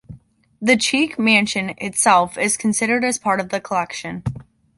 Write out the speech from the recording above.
The "Cheek Mansion" itself is considered as part of the collection.